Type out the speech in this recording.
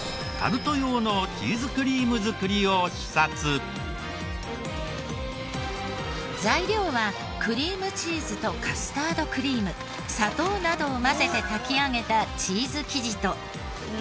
タルト用の材料はクリームチーズとカスタードクリーム砂糖などを混ぜて炊き上げたチーズ生地と。